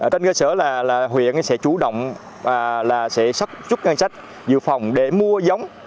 trên cơ sở là huyện sẽ chủ động và là sẽ sắp rút ngang sách dự phòng để mua giống